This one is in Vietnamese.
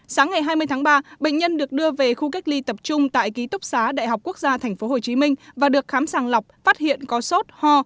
sáng ngày hai mươi tháng ba bệnh nhân được đưa về khu cách ly tập trung tại ký túc xá đại học quốc gia tp hcm và được khám sàng lọc phát hiện có sốt ho